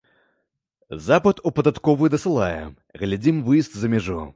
Запыт у падатковую дасылаем, глядзім выезд за мяжу.